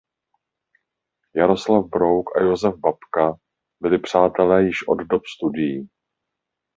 Jaroslav Brouk a Josef Babka byli přátelé již od dob studií.